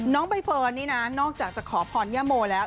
น้องใบเฟิร์นนี่นะนอกจากจะขอพรย่าโมแล้ว